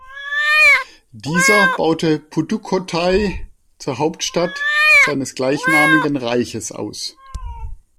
Dieser baute Pudukkottai zur Hauptstadt seines gleichnamigen Reiches aus.